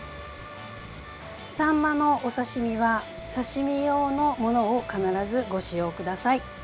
サンマのお刺身は刺身用のものを必ずご使用ください。